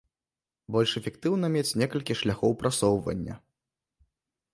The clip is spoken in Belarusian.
Больш эфектыўна мець некалькі шляхоў прасоўвання.